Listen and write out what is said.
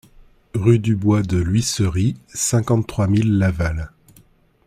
Rue du Bois de l'Huisserie, cinquante-trois mille Laval